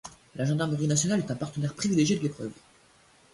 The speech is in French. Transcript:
La gendarmerie nationale est un partenaire privilégié de l'épreuve.